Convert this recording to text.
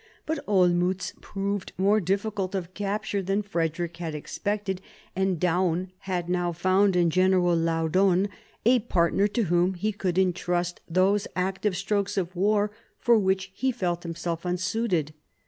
But^QJmiitfc proved more difficult of capture than Frederick had expected, and Daun had now found in General Laudon a partner to whom he could entrust those active strokes of war for which he felt himself unsuited.